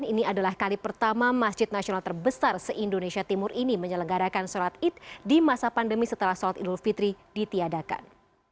ini adalah kali pertama masjid nasional terbesar se indonesia timur ini menyelenggarakan sholat id di masa pandemi setelah sholat idul fitri ditiadakan